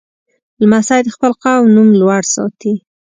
لمسی د خپل قوم نوم لوړ ساتي.